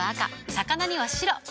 魚には白。